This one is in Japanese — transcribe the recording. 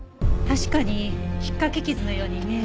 確かに引っかき傷のように見えますね。